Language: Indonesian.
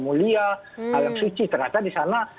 mulia hal yang suci ternyata di sana